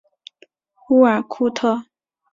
乌尔库特。